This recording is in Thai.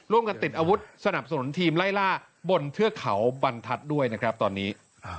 ติดอาวุธสนับสนุนทีมไล่ล่าบนเทือกเขาบรรทัศน์ด้วยนะครับตอนนี้